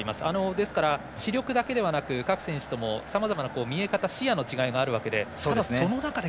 ですから、視力だけではなく各選手とも見え方、視野の違いがあるわけでその中で